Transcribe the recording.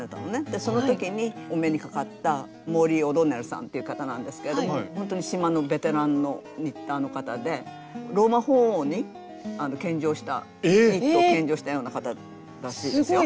でその時にお目にかかったモーリン・オドンネルさんっていう方なんですけれどもほんとに島のベテランのニッターの方でローマ法王に献上したニットを献上したような方らしいですよ。